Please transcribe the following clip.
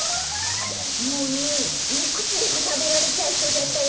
もういくつでもたべられちゃいそうだったよ。